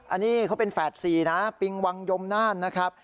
อันนี้เขาเป็นแฝด๔นะปิงวังยมน่านนะครับ